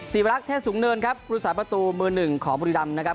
สีวรักษ์เทศสูงเนินครับรุศาประตูมือหนึ่งของบุรีรัมพ์